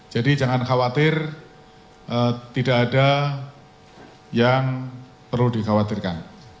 jadi jangan khawatir tidak ada yang perlu dikhawatirkan